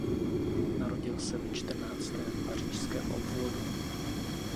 Narodil se ve čtrnáctém pařížském obvodu.